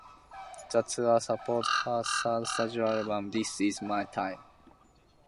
The tour supports her third studio album, "This Is My Time".